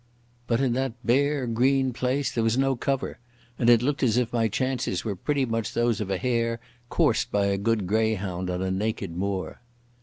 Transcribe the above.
But in that bare green place there was no cover, and it looked as if my chances were pretty much those of a hare coursed by a good greyhound on a naked moor.